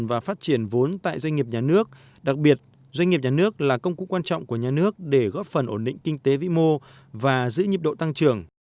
và phát triển vốn tại doanh nghiệp nhà nước đặc biệt doanh nghiệp nhà nước là công cụ quan trọng của nhà nước để góp phần ổn định kinh tế vĩ mô và giữ nhịp độ tăng trưởng